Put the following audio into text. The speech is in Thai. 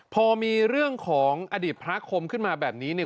พอมีเรื่องของอดีตพระคมขึ้นมาแบบนี้เนี่ย